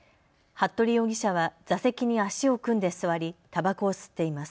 服部容疑者は座席に足を組んで座り、たばこを吸っています。